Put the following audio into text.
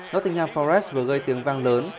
nottingham forest vừa gây tiếng vang lớn